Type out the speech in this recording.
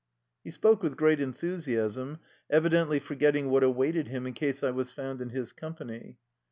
He spoke with great enthusiasm, evidently forgetting what awaited him in case I was found in his company.